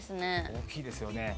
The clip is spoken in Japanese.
大きいですよね。